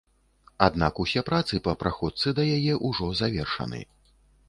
Аднак усе працы па праходцы да яе ўжо завершаны.